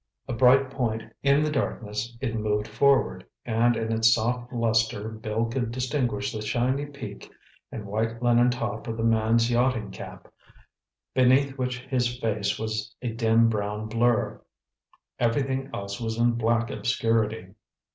A bright point in the darkness, it moved forward, and in its soft luster Bill could distinguish the shiny peak and white linen top of the man's yachting cap, beneath which his face was a dim brown blur. Everything else was in black obscurity.